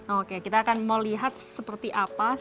oke kita akan mau lihat seperti apa sebenarnya kabar ma'oom ini